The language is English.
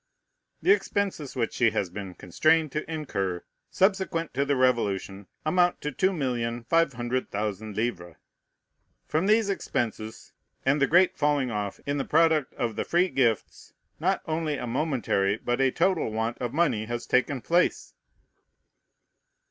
The expenses which she has been constrained to incur, subsequent to the Revolution, amount to 2,500,000 livres. From these expenses, and the great falling off in the product of the free gifts, not only a momentary, but a total, want of money has taken place."